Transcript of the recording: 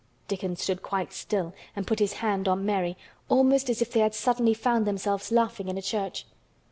Dickon stood quite still and put his hand on Mary almost as if they had suddenly found themselves laughing in a church.